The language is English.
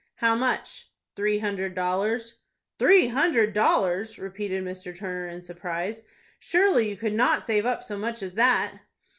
"How much?" "Three hundred dollars." "Three hundred dollars!" repeated Mr. Turner, in surprise. "Surely you could not save up so much as that?"